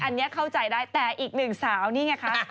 อันนี้เข้าใจได้แต่อีกหนึ่งสาวนี่ไงคะ